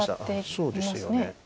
そうですよね。